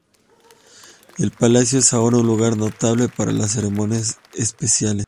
El palacio es ahora un lugar notable para las ceremonias especiales.